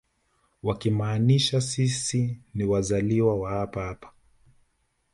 Wakimaanisha sisi ni wazaliwa wa hapa hapa